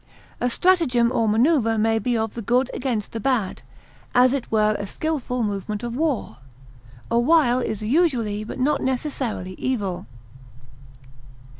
A stratagem or maneuver may be of the good against the bad, as it were a skilful movement of war. A wile is usually but not necessarily evil.